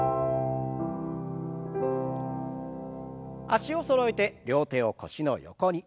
脚をそろえて両手を腰の横に。